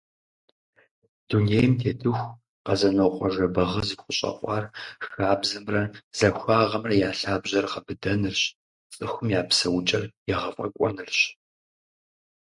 Дунейм тетыху, Къэзэнокъуэ Жэбагъы зыхущӏэкъуар хабзэмрэ захуагъэмрэ я лъабжьэр гъэбыдэнырщ, цӏыхум я псэукӏэр егъэфӏэкӏуэнырщ.